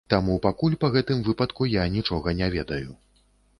Таму пакуль па гэтым выпадку я нічога не ведаю.